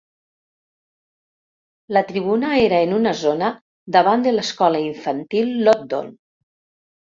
La tribuna era en una zona davant de l'escola infantil Loddon.